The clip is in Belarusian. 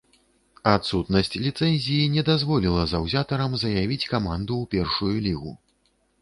Адсутнасць ліцэнзіі не дазволіла заўзятарам заявіць каманду ў першую лігу.